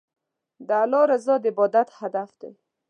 د الله رضا د عبادت هدف دی.